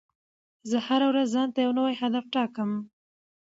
زه هره ورځ ځان ته یو نوی هدف ټاکم.